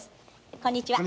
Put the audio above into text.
こんにちは。